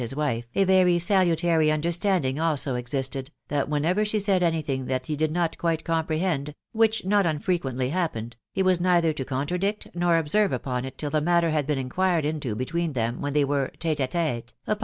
125 wife, » very salutary understanding also existed, that whenever she said any thing thai be did bo* quite comprehend, which not unrrequeatly happened, he was neither to contradict nor observe upon it tttt the matter had been inquired into between them when they were teto~d t4ttt> upon